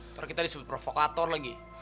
terus kita disebut provokator lagi